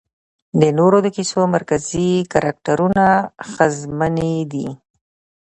د نورو د کيسو مرکزي کرکټرونه ښځمنې دي